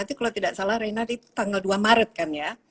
itu kalau tidak salah renar itu tanggal dua maret kan ya